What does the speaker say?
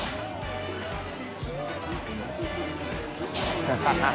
ハハハ